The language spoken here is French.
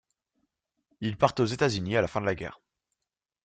Ils partent aux États-Unis à la fin de la guerre.